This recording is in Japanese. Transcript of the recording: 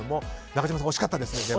中島さん、惜しかったですね